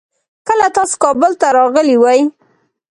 کله تاسو کابل ته راغلې وي؟